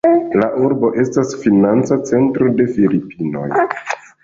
La urbo estas financa centro de Filipinoj.